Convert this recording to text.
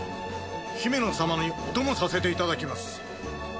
ヒメノ様にお供させていただきます。